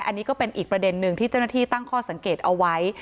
อันนี้ก็เป็นอีกประเด็นหนึ่งที่เจ้าหน้าที่ตั้งข้อสังเกตเอาไว้